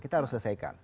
kita harus selesaikan